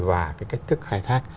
và cái cách thức khai thác